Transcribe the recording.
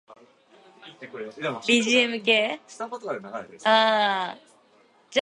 One also distinguishes between fine and coarse moduli spaces for the same moduli problem.